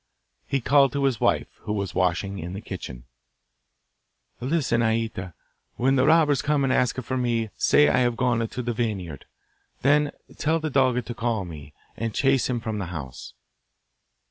He called to his wife, who was washing in the kitchen: 'Listen, Aita: when the robbers come and ask for me say I have gone to the vineyard. Then tell the dog to call me, and chase him from the house.